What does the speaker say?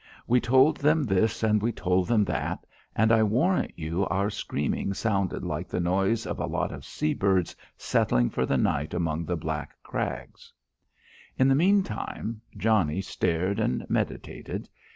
We told them this and we told them that, and I warrant you our screaming sounded like the noise of a lot of sea birds settling for the night among the black crags. In the meantime, Johnnie stared and meditated.